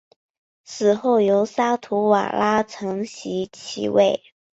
死后由沙图瓦拉承袭其位。